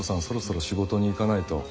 そろそろ仕事に行かないと。